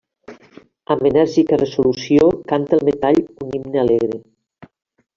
Amb enèrgica resolució canta el metall un himne alegre.